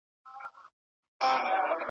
چا په ساندو چا په سرو اوښکو ژړله `